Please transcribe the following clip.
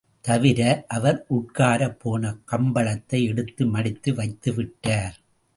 தவிர, அவர் உட்காரப் போன கம்பளத்தை எடுத்து மடித்து வைத்து விட்டார்.